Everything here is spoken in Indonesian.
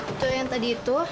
itu yang tadi itu